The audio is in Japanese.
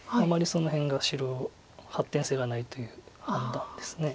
その辺が白発展性がないという判断です。